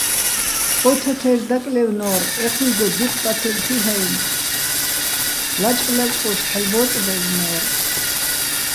ო თათაჲრი̆ დაკლაჲვნო́რ, ეჴუჲგო დუჴ ტათებ ხილ'ო-აჲნო̆, ლაჭყ-ლაჭყუშ ჰ̦ალო̆ ბო́წბაჲლნო́რ.